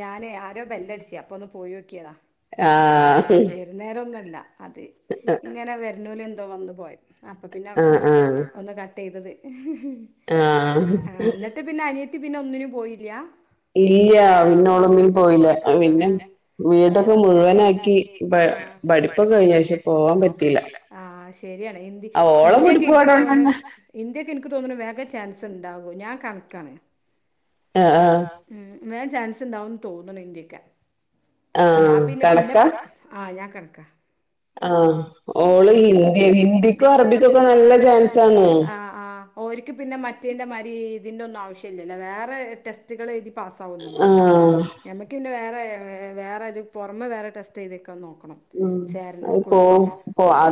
ഞാനേ ആരോ ബെല്ലടിച്ചിയാ അപ്പൊ ആ വിരുന്നാര് ഒന്നുമല്ല അത് ഇങ്ങനെ വെരുന്നൂല് എന്തോ വന്നു പോയതാ. അപ്പ പിന്നെ ഒന്ന് കട്ട് ചെയ്തത് എന്നിട്ട് പിന്നെ അനി പിന്നെ ഒന്നിനും പോയില്ലാ? ഇല്ല പിന്നോളൊന്നിനും പോയില്ല പിന്നെ വീടൊക്കെ മുഴുവനാക്കി പഠിപ്പൊക്കെ കഴിഞ്ഞതാ പക്ഷേ പോവാൻ പറ്റീല. ശരിയാണ് ഹിന്ദി ഹിന്ദിയൊക്കെ എനിക്ക് തോന്ന ഹിന്ദി യൊക്കെ എനിക്ക് തോന്നുന്നു വേഗം ചാൻസ് ഉണ്ടാകോ ഞാൻ കണക്കാണ്. ഉം വേഗം ചാൻസ് ഇണ്ടാവുന്ന് തോന്നണ് ഹിന്ദിക്ക്. ഞാൻ പിന്നെ പിന്നെ ആഹ് ഞാൻ കണക്കാ. ആ ഓള് ഹിന്ദി ഹിന്ദിക്കും അറബിക്കൊക്കെ നല്ല ചാൻസാണ്. ഓരിക്ക് പിന്നെ മറ്റേന്റെ മാരി ഇതിന്റെ ഒന്നും ആവശ്യല്ലല്ലേ വേറെ ടെസ്റ്റുകള് എഴുതി പാസ്സാവൊന്നും വേണ്ട നമക്ക് പിന്നെ വേറെ വേറെത് പുറമെ വേറെ ടെസ്റ്റ് എഴുതി ഒക്കെ നോക്കണം. ചേരുന്ന സ്കൂൾ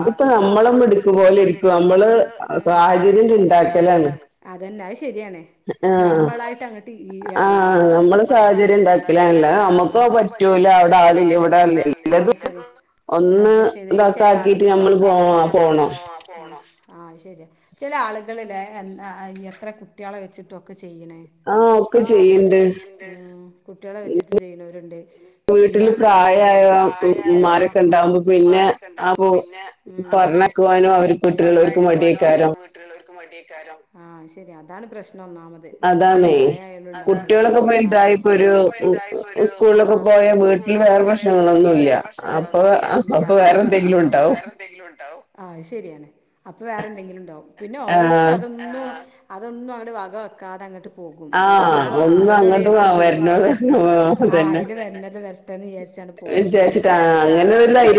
അതിപ്പോ നമ്മളെ മിടുക്കു പോലെയിരിക്കും നമ്മള് ഉണ്ടാക്കിയതാണ് അതന്നാ ശരിയാണ് നമ്മളായിട്ട് അ നമ്മള് സാഹചര്യം ഉണ്ടാക്കലല്ല നമുക്ക പറ്റൂല അവിടെ ആളില്ല ഇവിടെ ആ ശരി. ഒന്ന് ഇതൊക്കെ ആക്കീട്ട് ഞമ്മൾ പോ പോണം. ആഹ് ശരി ചില ആളുകളിലേ എത്ര കുട്ടികളെ വെച്ചിട്ടുക്കെ ചെയ്യണേ. ആ ഒക്കെ ചെയ്യണ്ട് കുട്ടികളെ വെച്ചിട്ട് ചെയ്യുന്നവരുണ്ട് പിന്നെ ഉമ്മമാരൊക്കെ ഉണ്ടാവുമ്പോ പിന്നെ ആ പറണക്കുവാനും ആ വീട്ടിലുള്ളവർക്ക് ആ ശരി അതാണ് പ്രശ്നം ഒന്നാമത് വീട്ടില് പ്രായായവര് അതാണേ കുട്ട്യേളക്കെ വലുതായപ്പോ ഒരു സ്കൂളിലൊക്കെ പോയാ വീട്ടിൽ വേറെ പ്രശ്നങ്ങളൊന്നുല്ല അപ്പം അപ്പോ വേറെന്തെങ്കിലും ഉണ്ടാവും ആ ശരിയാണ്. അപ്പോ വേറെ എന്തെങ്കിലും ഉണ്ടാവും പിന്നെ ഓരോരുത്തര് അതൊന്നും അതൊന്നും അങ്ങട് വക വെക്കാത അങ്ങോട്ട് ഒലേ എവിടെയും എത്തും ചെയ്യും അതിൽ വരുന്നത് വരട്ടെ എന്ന് വിചാരിച്ചും അങ്ങനെ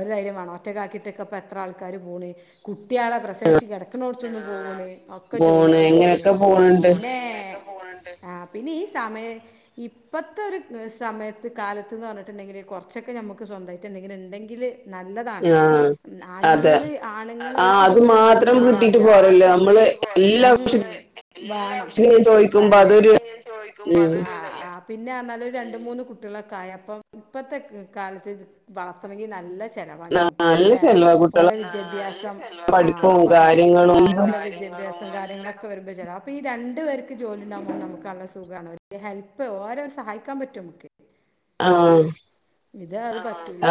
ഒരു ധൈര്യം വേണം എത്ര ആൾക്കാാര് പോണ് കുട്ടികളെ പ്രസവിച്ചു കിടക്കുന്നോട്ത്ത്ന്ന് പോകണേ ഒക്കെ ജോലിക്ക് പോണില്ലേ പിന്നെ ആഹ് പിന്നെ ഈ സമയ ഇപ്പഴത്തെ ഒരു ഈ സമയത്ത് കാലത്ത്ന്ന് പറഞ്ഞിട്ടുണ്ടെങ്കില് കുറച്ചൊക്കെ നമുക്ക് സ്വന്തമായിട്ട് എന്തെങ്കിലും ഉണ്ടെങ്കില് നല്ലതാണ് ആണുങ്ങള് ആണുങ്ങൾക്ക് ഓർക് ജോലിണ്ട്ന്ന് പറഞ്ഞിട്ട് കാര്യല്ല [unintelligible] വേണ്ടല്ലേ ചോയ്ക്കുമ്പോ അതൊരു ഇതല്ലേ പിന്നെന്ന് പറഞ്ഞാല് ഒരു രണ്ട് മൂന്ന് കുട്ടികളൊക്കെ ആയപ്പം ഇപ്പോഴത്തെ കാലത്ത് വളർത്തണമെങ്കിൽ നല്ല ചെലവാണ് ലേ കുട്ടളെ പഠിപ്പുംഓരേ വിദ്യഭ്യാസം വിദ്യാഭ്യാസ കാര്യങ്ങളൊക്കെ വരുമ്പോ ബേജാറാ രണ്ടു പേർക്ക് ജോലി ഉണ്ടാകുമ്പോ നമുക്ക് നല്ല സുഖമാണ് ഹെൽപ് ഓരോ സഹായിക്കാൻ പറ്റും നമുക്ക് ആഹ് ഇത് അത് പറ്റൂല്ല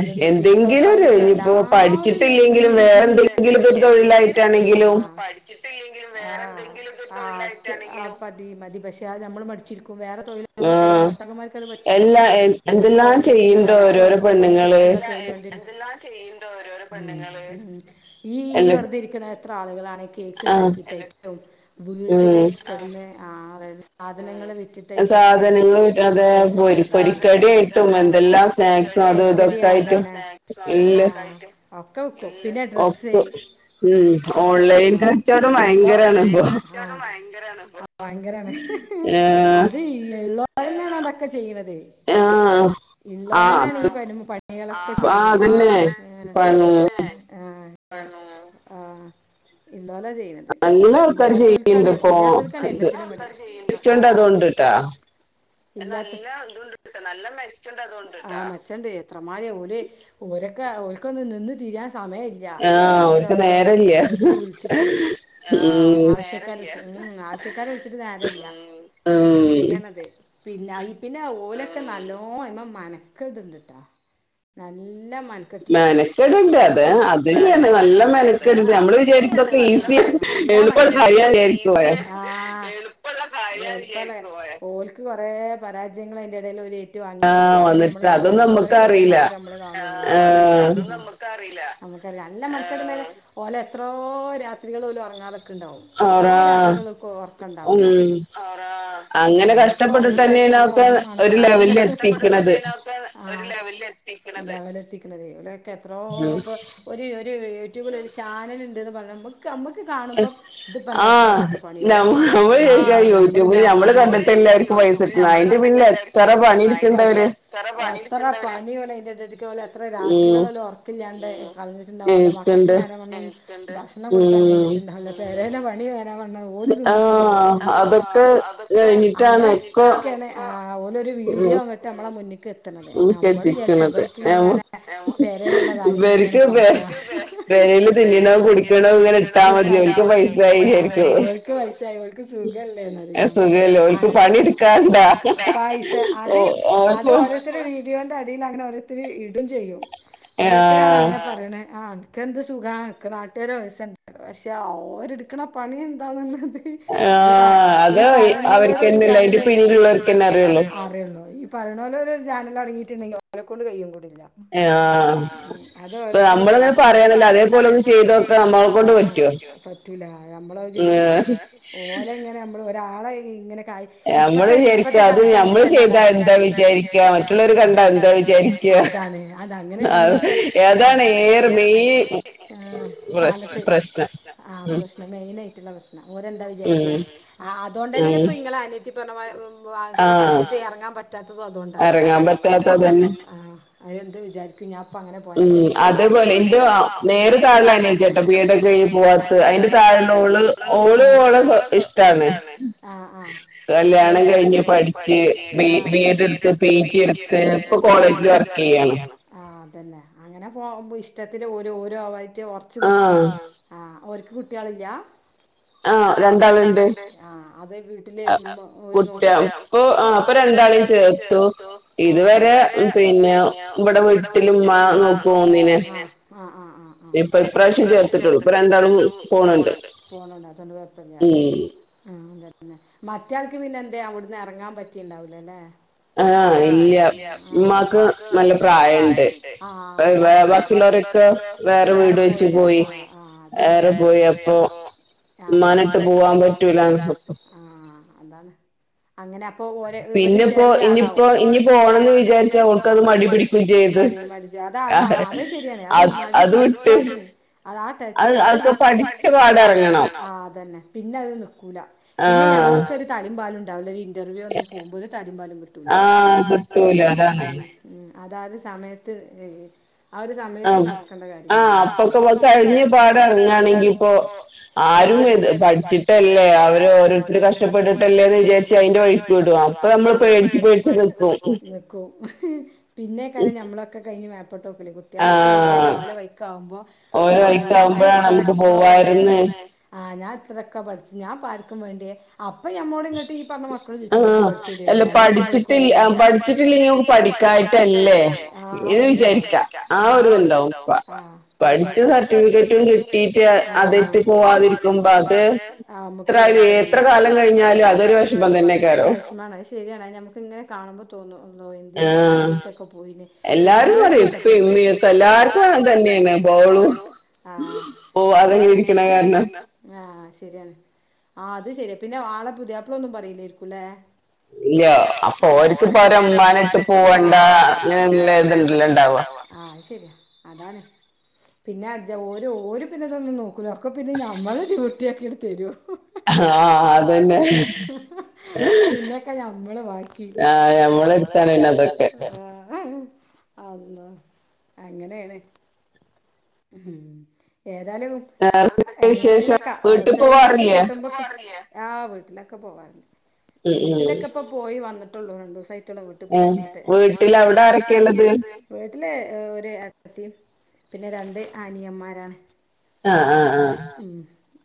ഇതത് ഇപ്പപ്പം എല്ലരും ഇതെന് ല്ലന്നെ എന്തെങ്കിലും ഇപ്പോ പഠിച്ചിട്ടില്ലെങ്കിലും വേറെന്തെങ്കിലും ആ മതി മതി പക്ഷെ അത് നമ്മൾ മടിച്ചിരിക്കും വേറെ തൊഴിലാകുമ്പോ ചില ഭർത്തകന്മാർക്ക് അത് പറ്റുല്ല ഓൾക് ഓൾടേതായിട്ടുള്ള വിലക്കും എന്തെല്ലാം ചെയ്യണ്ട് ഓരോരോ പെണ്ണുങ്ങള് ഈ വെറുതെയിരിക്കണ എത്രയാളുകളാണ് കേക്കുണ്ടാക്കിതരും വീട്ടില് പിന്നെ ആ സാധനങ്ങൾ വിറ്റി സാധനങ്ങൾ അതെ പൊരി പൊരിക്കടി പൊരി പൊരിക്കടിയായിട്ടും മറ്റെല്ലാം സ്നാക്ക് അതും ഇതും ഒക്കെയായിട്ട് ഒക്കെ വിക്കും പിന്നെ ഡ്രസ്സ് ഓൺലൈൻ കച്ചോടം ഭയങ്കരാണിപ്പോ ഭയങ്കരാണ് ഏ ഇയ്യ് ഇല്ലോരെന്നാണ് അതൊക്കെ ചെയ്യണത് ആ ഇള്ളോലന്നാണി പരു പണികളൊക്കെ ചെയ്യുന്നത് ആഹ് ആഹ് പിന്നെ ആഹ് നല്ല ആൾക്കാര് ചെയ്യണ്ട് ഇപ്പോ ഇത് വച്ചോണ്ടാ തോന്നണിണ്ട്ട്ടാ. നല്ല ഇതും ഉണ്ട്. ഉണ്ട് നല്ല മെച്ചമുണ്ട് അത് കൊണ്ട്ട്ടാ മെച്ചമുണ്ട് എത്രമാതി ഓരൊക്കെ ഓര്ക്കന്ന് നിന്ന് തിരിയാൻ സമ സമയമില്ല ഇങ്ങനത്തെ ഓരോ ഓരോരുത്തരി വിളിച്ചിട്ട് ആവശ്യക്ക ആവശ്യക്കാര് വെച്ചിട്ട് നേരല്ല ശരിയാണത് പിന്നെ പിന്നെ ഓല് നല്ലോ മെനക്കേട് ഇട്ട്ണ്ട്ട്ടാ നല്ലോ മെനക്കെട് ഉണ്ട് അത് അത് തന്നെയാണ് നല്ല മെനക്കട് നമ്മള് വിചാരിക്കും ഇതൊക്കെ ഈസി നല്ല മെനക്കേട്ണ്ട് ആഹ് ഓൽക്ക് കൊറെ പരാജയങ്ങൾ അതിന്റെ ഇടേൽ ഓര് വാങ്ങിട്ടുണ്ടാകും അതൊന്നും നമ്മള് കാണില്ല നമ്മൾ ഓരെ വിജയം മാത്രം നമ്മള് കാണൂളു. നമുക്കറിയാം നല്ല മക്കള് ഓലെ എത്രയോ രാത്രികൾ പോലും ഉറങ്ങാതെ ക്കിണ്ടാകും എത്രയോ രാത്രികൾ അവർക്ക് ഉറക്കമുണ്ടാകൂല ഞമ്മക്ക് ഉറങ്ങണ കാര്യത്തില് [unintelligible] അങ്ങനെ കഷ്ടപ്പെട്ടിട്ട് തന്നെയാണ് അവരൊക്കെ ഒര് ലെവലെത്തിക്കെണത്. ഒക്കെ എത്രോ ഇപ്പോൾ ഒരു ഒരു യൂട്യൂബിൽ ഒരു ചാനല് ഉണ്ടെന്ന് പറയുമ്പോൾ നമ്മുക്ക് കാണുമ്പം ഇതിപ്പോ എന്താ അത്ര അല്ലാത്ത പണി അവരിങ്ങനെ നമ്മള് ഇങ്ങനെ കാണ്ന്നു അവർക്ക് പൈസ കിട്ടുന്നു അതിന്റെ പിന്നില് എ പൈസ കിട്ടുന്നു അയിന്റെ പിന്നില് എത്ര പണി ഓല് അതിൻ്റെ ഇടയില് ഓല് എത്ര രാത്രികൾ ഓല് ഉറക്കില്ലാണ്ട് കളഞ്ഞിട്ടുണ്ടാകും ഓലെ മക്കൾക്ക് നേരാവണ്ണം ഭക്ഷണം കൊടുക്കാ കഴിഞ്ഞിട്ടുണ്ടാവില്ല പെരെലെ പണിയും നേരാംവണ്ണം ഓല് തിന്നിട്ടുണ്ടാവില്ല അങ്ങനെ കെട ആഹ് ഓലൊരു വീഡിയോ അങ്ങട്ട് നമ്മളെ മുന്നിൽക്ക് എത്തി മ്മ് എത്തീക്കണത് പെരയിലുള്ള കാര്യങ്ങൾ ഇങ്ങനെ കാട്ടുക ഡൈലി തിന്നണതും കുടിക്കണതും ഇങ്ങനെ ഇട്ടാമതി ഓല്ക്ക് പൈസ ആയെ സുഖല്ലേ പൈസ അത് അത് ഓരോരുത്തരും വീഡിയോന്റെ അടിയിൽ അങ്ങനെ ഓരോരുത്തരി ഇടും ചെയ്യും ഓരോരുത്തരാണ് അങ്ങനെ പറയണെ ആഹ് ഒക്കെ എന്ത് സുഖ ഇനിക്ക് നാട്ടുകാരുടെ പൈസയുണ്ട് പക്ഷെ അവര് എടുക്കണ പണി എന്താന്നുള്ളത് ഈ ഈ പറേന്നോലോട് ഒരു ചാനല് അറിയോള്ളു ഈ പറയുന്നോല് ഒരു ചാനല് തുടങ്ങിട്ടുണ്ടങ്കിൽ ഓലെ കൊണ്ട് കയ്യും കൂടി ഇല്ല അത് ഓരോരുത്തരുടെ കയിവ് പറ്റൂല ഞമ്മള് അത് ചെയ്യൂല ഓല് എങ്ങനെ ളെ ഇങ്ങനെ ഇപ്പത്തെ ഇപ്പത്തെ കാലത്ത് നമ്മള് ചെയ്താ എന്താ വിചാരിക്കാ [unintelligible] മറ്റുള്ളവര് കണ്ടാ എന്താ വിചാരിക്ക അതാണ് അത് അതങ്ങനെ ജീവിക്കാൻ അതാണ് ഏറെ മെയിൻ കാലത്ത് പ്രശ്നം ആഹ് മെയിന് മെയിൻ ആയിട്ടുള്ള പ്രശ്‌നം ഓരെന്താ വിജാരിക്കുവാ ആഹ് അതോണ്ട് തന്നെണ് ഇങ്ങളെ അനിയത്തി പറഞ്ഞമാതിരി ആഹ് ഇറങ്ങാൻ പറ്റാത്തതും അതോണ്ടാണ് എറങ്ങാൻ പറ്റാത്തത് അതോണ്ടന്നെ ആ അവരെന്ത് വിചാരിക്കും ഞാൻ പ്പങ്ങനെ പോയാ ന്ദ് വിചാരിക്കും. അതേപോലെ ഇൻ്റെ നേരെ താഴെള്ള അനിയത്തീട്ടോ ബി എഡ് ഒക്കെ കഴിഞ്ഞ് പോകാത്തെ അയിന്റെ തായേള്ളോള് ഓള് ഓളെ ഇഷ്ട്ടാണ് ആഹ് ആഹ് കല്യാണം കഴിഞ്ഞ് പഠിച്ച് ബി എഡ് എടുത്ത് പി ജി എടുത്ത് ഇപ്പോ കോളേജിൽ വർക്കെയ്യാണ് അതന്നെ അങ്ങനെ പോ ഇഷ്ടത്തിൽ ഓരോ ഓരോ ആയിട്ട് ഒർച്ച് നിന്നാ ആഹ് ഓര് ക്ക് കുട്ട്യേളില്ല ആഹ് രണ്ടാള്ണ്ട് ആഹ് അത് വീട്ടില് ഉണ്ടോ ഓര് ആഹ് ഇപ്പോ കുട്ടികൾ രണ്ടാളെയും ചേർത്തു ഇതുവരെ പിന്നെ ഇവിടെ വീട്ടിലും ഉമ്മ നോക്കും പോന്നീനെ ആഹ് ആഹ് ആഹ് ഇപ്പ ഇപ്രാവശ്യം ചേർത്തിട്ടുള്ളൂ ഇപ്പ രണ്ടാളും പോണുണ്ട് അത് കൊഴപ്പില്യാ മം മറ്റേയാൾക്ക് പിന്നെന്തേ അവിടുന്ന് എറങ്ങാൻ പറ്റിണ്ടാവൂലാല്ലേ ആ ഇല്യാ ഇമ്മാക്ക് നല്ല പ്രായണ്ട് ബാക്കിള്ള ള്ളവരൊക്കെ വേറെ വീട് വെച്ച് പോയി വേറെ പോയി അപ്പോ അതാണ് ഉമ്മാനെ ഇട്ട് പോവാൻ പറ്റൂല്ലാ അതാണ് അങ്ങനെ ഇപ്പൊ ഓര് ഇവര് ചെറിയ ആളാവും ഇപ്പോ ഇനി പോണന്ന് വിചാരിച്ചാ ഓൾകണ്ട് മടി പിടിക്കേം ചെയ്ത് അതാ അത് അത് ശരിയാണ് അത് മടി പിടിച്ചാ പിന്നെ അതാ ടച്ച് അത് [unintelligible] [unintelligible] ആ അതന്നെ പിന്നെ അത് നിക്കൂല്ലാ പിന്നെ ഞമ്മക്കൊരു തലേം വാലും ഇണ്ടാവൂല്ലാ ഇന്റർവ്യൂ ഒന്നും പോകുമ്പോ തലേം വാലും കിട്ടൂലാ അതാത് സമയത്ത് ആ ഒരു സമയത്ത് നോക്കേണ്ട കാര്യാ അപ്പൊക്കെ [unintelligible] ഇറങ്ങാണെങ്കി ഇപ്പോ ആരും ഇത് പഠിച്ചിട്ടല്ലേ അവര് ഓരോരുത്തര് കഷ്ടപ്പെട്ടിട്ടല്ലേന്ന് വിചാരിച്ച് അതിന്റെ വഴിക്ക് വിടുവാ നമ്മള് പേടിച്ച് പേടിച്ച് നിക്കും നിക്കും പിന്നെയ്ക്കാരം നമ്മളൊക്കെ [unintelligible] കുട്ടികളൊക്കെ ഉണ്ട് അവര് വഴിക്ക് ആവുമ്പോ [inaudible] [inaudible] ഞാനൊക്കെ പഠിച്ച് ആ ഞാൻ ഇത്രൊക്കെ പഠിച്ച് ഞാൻ ഇപ്പ ആർക്കും വേണ്ടിയേ അപ്പൊ ഞമ്മോട് ഇങ്ങോട്ട് ഈ പറഞ്ഞ മക്കള് ചോദിച്ചു പഠിച്ചൂടേന്യോ പഠിച്ചിട്ടില്ലേ പഠിച്ചിട്ടില്ലെങ്കി മ്മക്ക് പഠിക്കാഞ്ഞിട്ടല്ലേ എന്ന് വിചാരിക്കാ ആ ഒരിത് ഇണ്ടാവും അപ്പോ [unintelligible] കിട്ടീട്ട് അതായ്ട്ട് പോവാതിരിക്കുമ്പ അത് എത്ര എത്ര കാലം കഴിഞ്ഞാലും ന്നാലും അതൊരു വെഷമം തന്നയ്ക്കാരം. വെഷമാണ് അത് ശരിയാണ് അത്‌ നമുക്കിങ്ങനെ കാണുമ്പോ തോന്നും നോയമ്പിനൊക്കെ വീട്ടിലൊക്ക പോയിനി എല്ലാർക്കും [inaudible] [inaudible] എല്ലാർക്കും അത് തന്നെ [unintelligible] ആ [unintelligible] ഇങ്ങനെ ഇരിക്കണ കാരണം ആ ശരി ശെരിയാണ് ആ അത് ശരിയാ പിന്നെ ആള പുതിയാപ്പള ഒന്നും പറയില്ലായിരിക്കൂല്ലേ ഇല്ല അപ്പൊ ഓര്ക്കിപ്പോ ഓര ഉമ്മാനേ ഇട്ട് പോവണ്ടാ അങ്ങനല്ലേ ഇതുണ്ടല്ലോണ്ടാവാ അത് ശരിയാ അതാണ് പിന്നാജ്ജ് ഓര് ഓര് പിന്നെ ഇതൊന്നും നോക്കൂലാ ഒക്കെ പിന്നെ ഞമ്മള് ഡ്യൂട്ടി ആക്കിയിട്ട് തരും അ ആ അതന്നെ പിന്നൊക്കെ ഞമ്മള് ബാക്കി ഞമ്മള് തലേല അതൊക്കെ അള്ളാ അങ്ങനെയാണ് എ എന്താലും എങ്ങനെലൊക്കെ അവസരങ്ങളൊക്കെ കിട്ടുമ്പോ ആ വീട്ടിലൊക്കെ പോവാം വീട്ടിലൊക്കെ ഇപ്പോ പോയി വന്നിട്ട് ട്ടോള്ളൂ രണ്ടെസായിട്ടുള്ളൂ വീട്ടിൽ പോയി വന്നിട്ട് വീട്ടിലവിടെ ആരൊക്കെയാ ഇള്ളത് വീട്ടിലെ ഒരു ഏട്ടത്തീം പിന്നെ രണ്ട് അനിയൻമാരാണ് ആ ആ ആ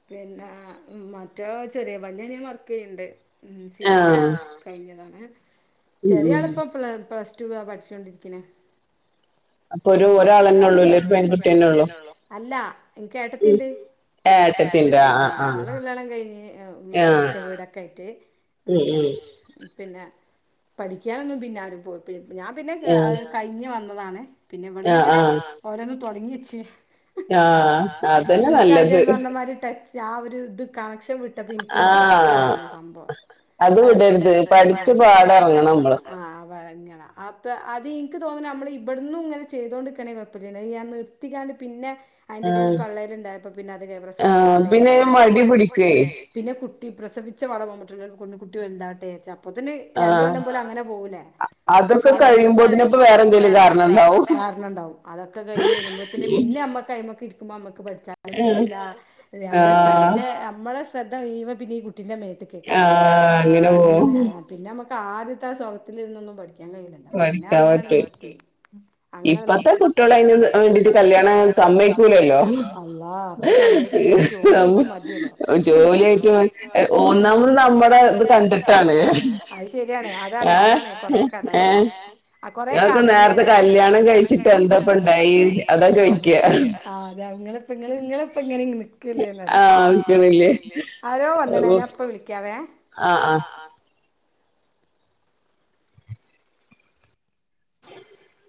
പിന്നെ മറ്റോ ചെറിയ വല്യ അനിയൻ വർക്കെയ്യണ്ട് സിവിലാ കഴിഞ്ഞതാണ് ചെറിയാളിപ്പ പ്ല പ്ലസ് റ്റുവാ പഠിച്ചോണ്ടിരിക്കണേ അപ്പൊ ഒരു ഒരാളന്നേ ഉള്ളൂലേ പെൺകു പെൺകുട്ടിനെ ഒള്ളു അല്ല എനിക്ക് ഏട്ടത്തീണ്ട് ഏട്ടത്തീണ്ടാ അത് കല്യാണം കഴിഞ്ഞ് ഒറ്റ വീടൊക്കെ ആയിട്ട് വെക്കാണ് പിന്നെ പഠിക്കാനൊന്നും പിന്നാരും പോയി ഞാൻ പിന്നെ കഴിഞ്ഞ് വന്നതാണ് പിന്നെ ഇവിടുന്ന് ഇങ്ങനെ ഓരോന്ന് തൊടങ്ങി വെച്ച് ആ അതന്നെ നല്ലത് ആ ഒരു ഇത് കണക്ഷൻ വിട്ടപ്പോ എനിക്കും മടുപ്പ് വന്ന് സംഭവം അത് വിടര്ത് പഠിച്ചു പാടറങ്ങണം ആ വഴങ്ങാ അപ്പ അത് എനിക്ക് തോന്നുന്നു നമ്മള് ഇവിടുന്നും ഇങ്ങനെ ചെയ്തോണ്ടിക്കണേ കൊഴപ്പില്ലാ ഞാ നിർത്തിക്കാണ്ട് പിന്നെ അയിന്റെ ഇടേല് പള്ളേല് ഇണ്ടായപ്പോ പിന്നെ അത് പ്രസവം കഴിയട്ടെന്ന്ച്ച് പിന്നെ മടി പിടിക്കേ പിന്നെ കു കുട്ടി പ്രസവിച്ച പാടെ പോകാൻ പറ്റുലല്ലോ കുട്ടികൾ വൽതാവട്ടെ അപ്പത്തിന് രണ്ട് കൊല്ലം പോലും അങ്ങനെ പോകൂലേ അതിപ്പോ കഴീമ്പോതേനും ഇപ്പ വേറെന്തെലും കാരണം ഇണ്ടാവും അതൊക്കെ കഴിഞ്ഞ് വരുമ്പോ പിന്നെ പിന്നെ ഞമ്മക്ക് അയിമ്മേക്ക്‌ ഇരിക്കുമ്പം ഞമ്മക്ക്‌ പഠി പഠിച്ചാലും കേറൂല നമ്മുടെ ശ്രദ്ധ നമ്മള് ശ്രദ്ധ കഴിയുമ്പം പിന്നെ ഈ കു കുട്ടിന്റെ മേത്ത്ക്കെക്കാലും പിന്ന പിന്നെ നമുക്ക് ആദ്യത്തെ ആ സൊകത്തില് ഇരുന്നൊന്നും പഠിക്ക പഠിക്കാൻ കഴിയൂല പിന്നെ അങ്ങനെയങ്ങ് പോകും ഇപ്പത്തെ കുട്ടികളയി കുട്ടികളയി കല്യാണം സമ്മേകുലല്ലോ അള്ളാ ഇപ്പോസമ്മേയിക്കില്ല ജോലിട്ടി മതിയല്ലോ മൂന്നാമത് നമ്മടെ കണ്ടിട്ടാണ് അത് ശെരിയാണ് അ അതാണ് അതാണ് കൊറേയൊക്കെ അതുതന്നെയാണ് കൊറേയൊക്കെ അത്തന്നെയാണ് കല്യാണം കഴിച്ചിട്ട് എന്താപ്പം ഇണ്ടായെ പ്പഇണ്ടായേ അതങ്ങു വിക്ക്യ അതങ്ങള് ഇപ്പം ഇങ്ങനെ നി ക്കലെ എന്നാല് ആരോ വന്ന്ണ് ഞാൻ ഇപ്പോ വിളിക്കാം ആഹ് ആഹ് [inaudible]